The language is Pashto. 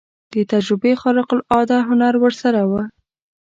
د تجربې خارق العاده هنر ورسره و.